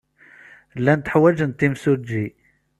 Llant ḥwajent imsujji.